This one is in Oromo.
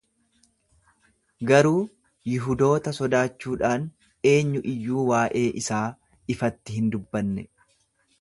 Garuu Yihudoota sodaachuudhaan eenyu iyyuu waa’ee isaa ifatti hin dubbanne.